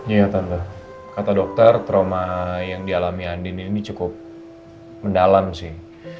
iya tante kata dokter trauma yang dialami andini ini cukup mendalam sih